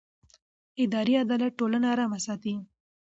اداري عدالت ټولنه ارامه ساتي